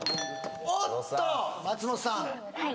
おっと松本さんはい